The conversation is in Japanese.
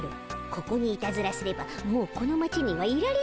ここにいたずらすればもうこの町にはいられないでおじゃる。